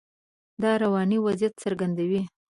دا رواني وضعیت څرګندوي.